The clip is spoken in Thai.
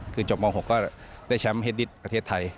คือจบม๖ก็ได้แชมป์เฮดดิสประเทศไทย